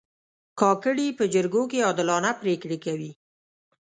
کاکړي په جرګو کې عادلانه پرېکړې کوي.